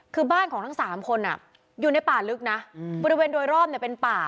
คือบ้านของทั้ง๓คนอยู่ในป่าลึกนะบริเวณโดยรอบเป็นป่า